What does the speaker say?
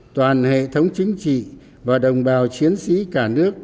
toàn hệ thống chính trị và đồng bào chiến sĩ cả nước